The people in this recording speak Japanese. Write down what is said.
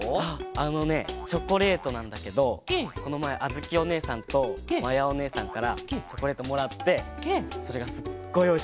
あのねチョコレートなんだけどこのまえあづきおねえさんとまやおねえさんからチョコレートもらってそれがすっごいおいしかった。